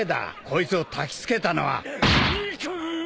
こいつをたきつけたのは。